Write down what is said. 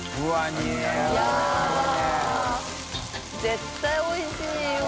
絶対おいしいよ。